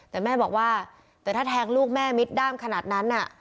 แต่แม่บอกว่าแต่ถ้าแทงลูกแม่มิดด้ามขนาดนั้น